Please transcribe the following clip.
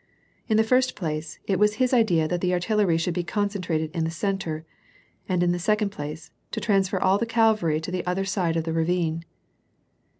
In the first place, it was his idea that the artillery should be concentrated in the centre, and in the second place, to transfer all the cavalry to the other side of the ravine.